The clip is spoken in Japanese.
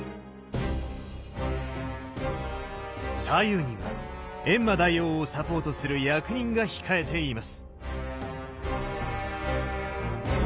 左右には閻魔大王をサポートする役人が控えています。